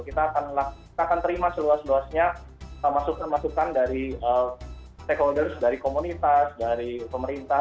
kita akan terima seluas luasnya masukan masukan dari stakeholders dari komunitas dari pemerintah